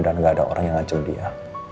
dan gak ada orang yang ngacem dia